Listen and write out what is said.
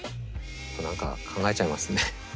何か考えちゃいますね。